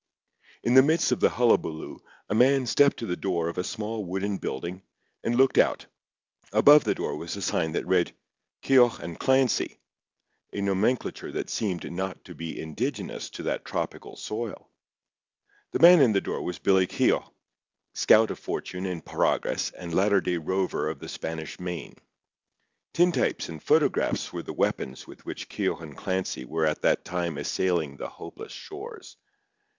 In the midst of the hullabaloo a man stepped to the door of a small wooden building and looked out. Above the door was a sign that read "Keogh and Clancy"—a nomenclature that seemed not to be indigenous to that tropical soil. The man in the door was Billy Keogh, scout of fortune and progress and latter day rover of the Spanish Main. Tintypes and photographs were the weapons with which Keogh and Clancy were at that time assailing the hopeless shores.